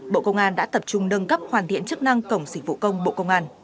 bộ công an đã tập trung nâng cấp hoàn thiện chức năng cổng dịch vụ công bộ công an